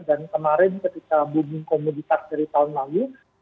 dan kemarin ketika booming komoditas dari tahun lalu